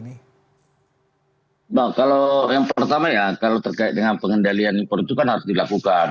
ya kalau yang pertama ya kalau terkait dengan pengendalian impor itu kan harus dilakukan